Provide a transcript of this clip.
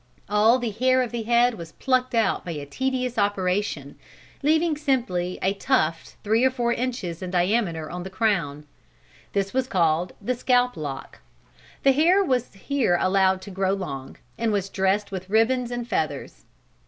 All the hair of the head was plucked out by a tedious operation, leaving simply a tuft three or four inches in diameter on the crown. This was called the scalp lock. The hair was here allowed to grow long, and was dressed with ribbons and feathers.